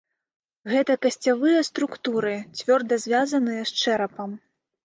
Гэта касцяныя структуры, цвёрда звязаныя з чэрапам.